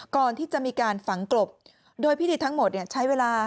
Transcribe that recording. ก่อนที่จะมีการฝังกลบโดยพิธีทั้งหมดใช้เวลา